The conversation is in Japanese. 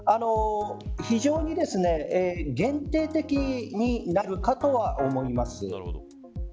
非常に限定的になるかとは思います。